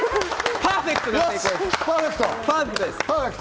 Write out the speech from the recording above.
パーフェクトな成功です。